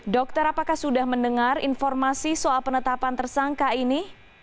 dokter apakah sudah mendengar informasi soal penetapan tersangka ini